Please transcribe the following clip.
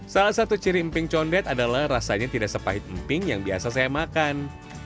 salah satu ciri emping condet adalah rasanya tidak sepahit emping yang biasa saya makan